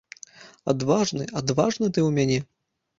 Адважны, адважны ты ў мяне.